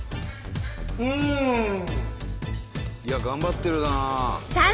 うん！いや頑張ってるなあ。